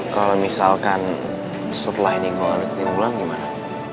kalau misalkan setelah ini gue gak ada ketemu ulang gimana